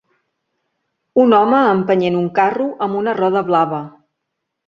Un home empenyent un carro amb una roda blava.